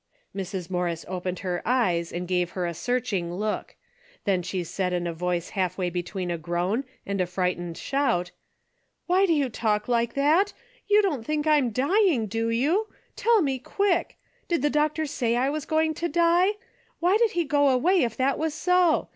Mrs. Morris opened her eyes and gave her a searching look. Then she said in a voice half way between a groan and a frightened shout : "Why do you talk like that? You don't think I am dying, do you ? Tell me, quick ! Did the doctor say I was going to die ? Why did he go away if that was so